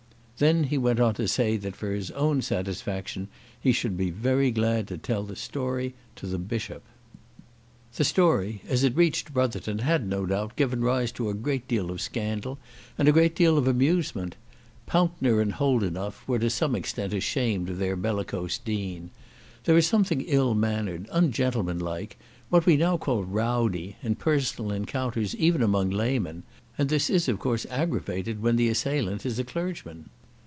Then he went on to say that for his own satisfaction he should be very glad to tell the story to the Bishop. The story as it reached Brotherton had, no doubt, given rise to a great deal of scandal and a great deal of amusement. Pountner and Holdenough were to some extent ashamed of their bellicose Dean. There is something ill mannered, ungentlemanlike, what we now call rowdy, in personal encounters, even among laymen, and this is of course aggravated when the assailant is a clergyman.